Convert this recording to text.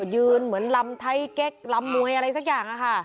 ยืนเหมือนลำไทยเก๊กลำมวยอะไรสักอย่างค่ะ